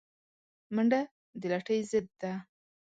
منډه د لټۍ ضد ده